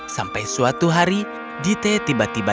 sampai suatu hari jitte tiba tiba